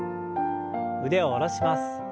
腕を下ろします。